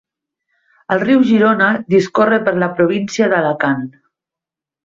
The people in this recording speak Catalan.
El riu Girona discorre per la província d'Alacant.